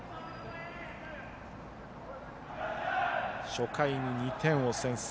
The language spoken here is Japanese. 初回に２点を先制。